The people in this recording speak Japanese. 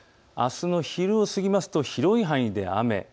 あすの昼を過ぎますと広い範囲で雨。